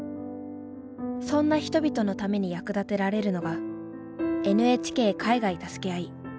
そんな人々のために役立てられるのが「ＮＨＫ海外たすけあい」。